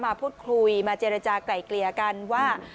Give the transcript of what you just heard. มาพูดคุยมาเจรจากลายเกลี่ยกันว่า